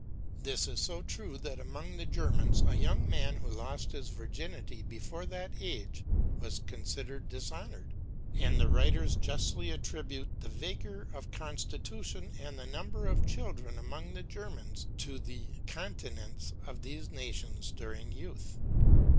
This is so true that among the Germans a young man who lost his virginity before that age was considered dishonoured; and the writers justly attribute the vigour of constitution and the number of children among the Germans to the continence of these nations during youth.